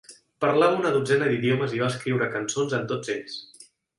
Parlava una dotzena d'idiomes i va escriure cançons en tots ells.